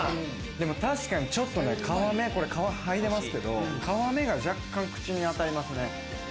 でも確かに、ちょっとは皮をはいでますけど、皮目が若干、口に当たりますね。